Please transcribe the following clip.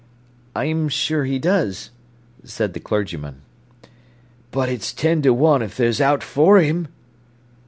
"I am sure he does," said the clergyman. "But it's ten to one if there's owt for him."